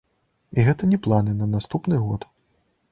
І гэта не планы на наступны год!